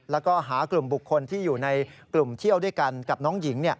แล้วก็หากลุ่มบุคคลที่อยู่ในกลุ่มเที่ยวด้วยกันกับน้องหญิง